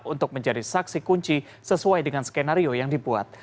untuk menjadi saksi kunci sesuai dengan skenario yang dibuat